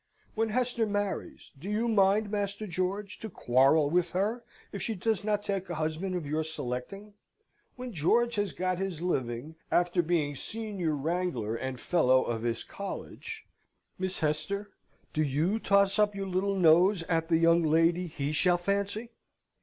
When Hester marries, do you mind, Master George, to quarrel with her if she does not take a husband of your selecting. When George has got his living, after being senior wrangler and fellow of his college, Miss Hester, do you toss up your little nose at the young lady he shall fancy.